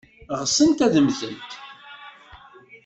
Ɣsent ad temmtemt.